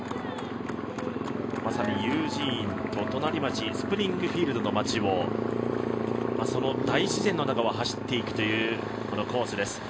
まさにユージーンと隣町、スプリングフィールドの街をその大自然の中を走っていくというコースです。